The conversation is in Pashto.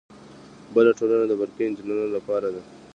بله ټولنه د برقي انجینرانو لپاره ده.